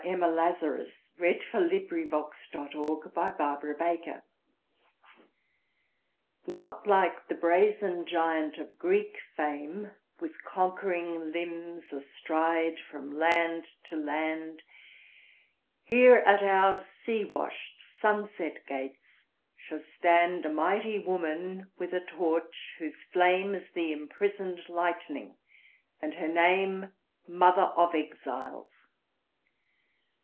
The Book of New York Verse. 1917. The New Colossus Emma Lazarus NOT like the brazen giant of Greek fame, With conquering limbs astride from land to land; Here at our sea washed, sunset gates shall standA mighty woman with a torch, whose flameIs the imprisoned lightning, and her nameMother of Exiles.